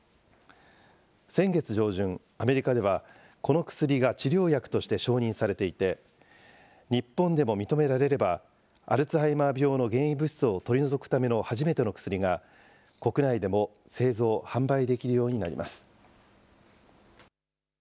先月上旬、アメリカでは、この薬が治療薬として承認されていて、日本でも認められれば、アルツハイマー病の原因物質を取り除くための初めての薬が国内でも製造・販売できるようになります。